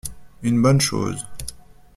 Une bonne chose.